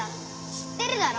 知ってるだろ！